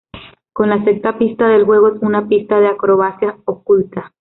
Con la sexta pista del juego es una pista de acrobacias oculta.